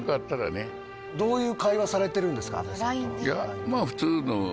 どういう会話されてるんですか？